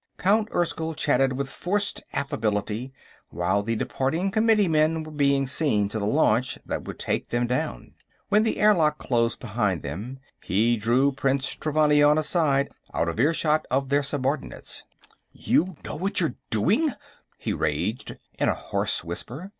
Count Erskyll chatted with forced affability while the departing committeemen were being seen to the launch that would take them down. When the airlock closed behind them, he drew Prince Trevannion aside out of earshot of their subordinates. "You know what you're doing?" he raged, in a hoarse whisper.